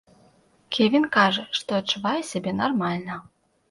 Кевін кажа, што адчувае сябе нармальна.